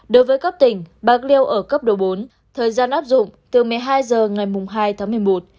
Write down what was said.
đối với các tỉnh bạc liêu ở cấp độ bốn thời gian áp dụng từ một mươi hai h ngày hai tháng một mươi một